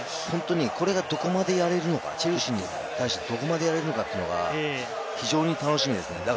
これがどこまでやれるのか、チェルシーに対してどこまでやれるのかというのが非常に楽しみですね。